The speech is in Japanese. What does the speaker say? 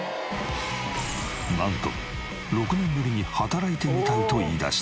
なんと６年ぶりに働いてみたいと言い出した。